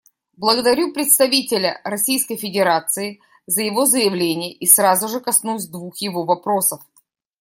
Благодарю представителя Российской Федерации за его заявление и сразу же коснусь двух его вопросов.